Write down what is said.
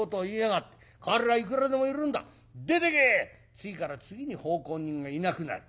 次から次に奉公人がいなくなる。